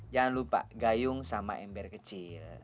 jangan lupa gayung sama ember kecil